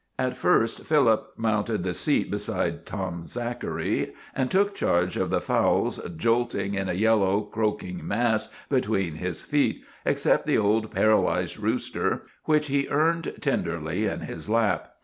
At first Philip mounted the seat beside Tom Zachary, and took charge of the fowls jolting in a yellow, croaking mass between his feet, except the old paralyzed rooster, which he earned tenderly in his lap.